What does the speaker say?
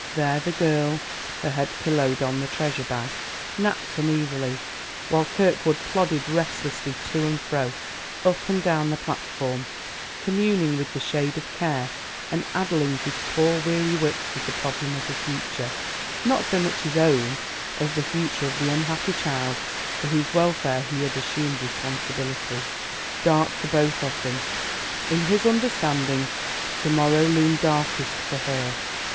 There the girl, her head pillowed on the treasure bag, napped uneasily, while Kirkwood plodded restlessly to and fro, up and down the platform, communing with the Shade of Care and addling his poor, weary wits with the problem of the future, not so much his own as the future of the unhappy child for whose welfare he had assumed responsibility. Dark for both of them, in his understanding To morrow loomed darkest for her.